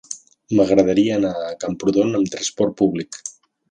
M'agradaria anar a Camprodon amb trasport públic.